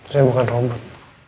saya bukan robot